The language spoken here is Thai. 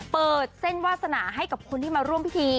เปิดเส้นวาสนาให้กับคนที่มาร่วมพิธี